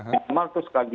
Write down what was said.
pertama terus lagi